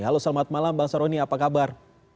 halo selamat malam bang saroni apa kabar